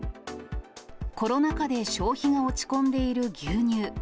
コロナ禍で消費が落ち込んでいる牛乳。